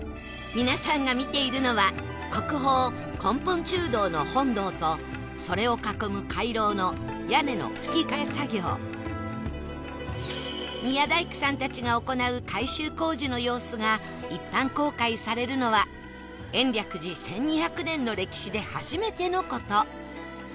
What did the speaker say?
皆さんが見ているのは国宝根本中堂の本堂とそれを囲む回廊の屋根の葺き替え作業宮大工さんたちが行う改修工事の様子が一般公開されるのは延暦寺１２００年の歴史で初めての事